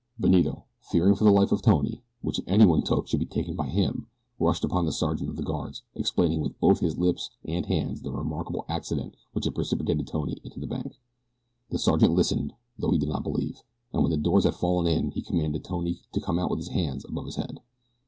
Benito, fearing for the life of Tony, which if anyone took should be taken by him, rushed upon the sergeant of the guard, explaining with both lips and hands the remarkable accident which had precipitated Tony into the bank. The sergeant listened, though he did not believe, and when the doors had fallen in, he commanded Tony to come out with his hands above his head.